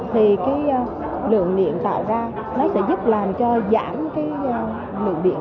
thì cái lượng điện tạo ra nó sẽ giúp làm cho giảm cái lượng điện